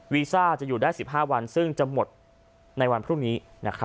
วีซ่าจะอยู่ได้๑๕วันซึ่งจะหมดในวันพรุ่งนี้